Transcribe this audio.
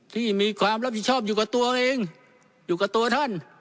ที่มีความรับผิดชอบอยู่กับตัวเองอยู่กับตัวท่าน